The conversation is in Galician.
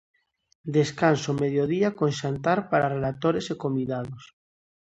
Descanso mediodía con xantar para relatores e convidados.